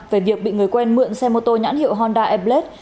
về việc bị người quen mượn xe mô tô nhãn hiệu honda e blade